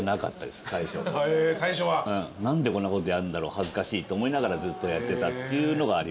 何でこんなことやるんだろう恥ずかしいって思いながらずっとやってたっていうのがありました。